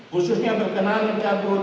khususnya berkenan mencabut